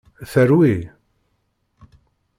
Terwi!